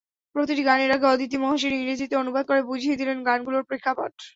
প্রতিটি গানের আগে অদিতি মহসিন ইংরেজিতে অনুবাদ করে বুঝিয়ে দিলেন গানগুলোর প্রেক্ষাপট।